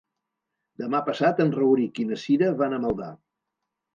Demà passat en Rauric i na Cira van a Maldà.